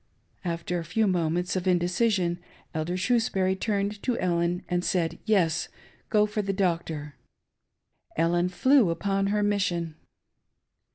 After a few moments of indecision, Elder Shrewsbury turned to Ellen and said, "Yes; go for the doctor." Ellen flew upon her mission.